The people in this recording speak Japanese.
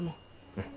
うん。